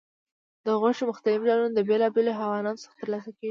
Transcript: د غوښې مختلف ډولونه د بیلابیلو حیواناتو څخه ترلاسه کېږي.